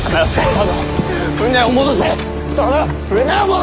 殿！